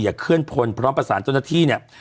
เคลื่อนพลพร้อมประสานเจ้าหน้าที่เนี่ย